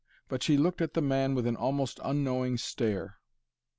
But she looked at the man with an almost unknowing stare.